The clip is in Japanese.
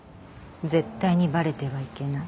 絶対にバレてはいけない。